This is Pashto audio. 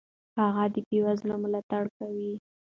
هغه د بېوزلو ملاتړ کاوه.